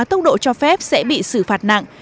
tốc độ cho phép sẽ bị xử phạt nặng